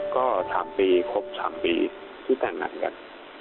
ก็๓ปีครบ๓ปีที่แต่งงานกัน